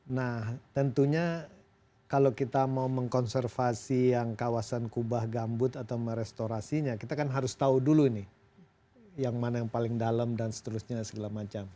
nah tentunya kalau kita mau mengkonservasi yang kawasan kubah gambut atau merestorasinya kita kan harus tahu dulu nih yang mana yang paling dalam dan seterusnya segala macam